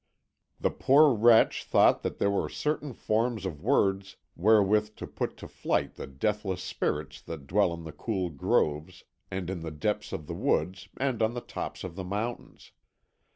The poor wretch thought that there were certain forms of words wherewith to put to flight the deathless spirits that dwell in the cool groves, and in the depths of the woods and on the tops of the mountains.